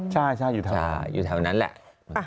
ใช่อยู่แถวนั่นแหละ